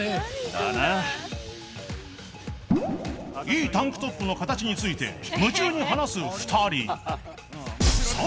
［いいタンクトップの形について夢中に話す２人］